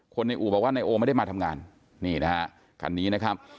ในอู่บอกว่านายโอไม่ได้มาทำงานนี่นะฮะคันนี้นะครับ